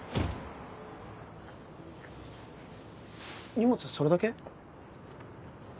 荷物それだけ？